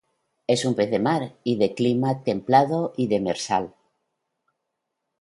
Es un pez de Mar y, de clima templado y demersal.